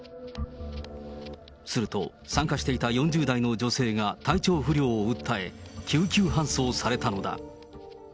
すると、参加していた４０代の女性が体調不良を訴え、救急搬送されたのだ。